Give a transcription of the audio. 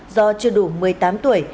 do chưa đủ một mươi tám tuổi